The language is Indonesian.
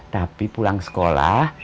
tapi pulang sekolah